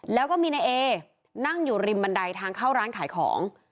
แล้วก็มีนายเอนั่งอยู่ริมบันไดทางเข้าร้านขายของ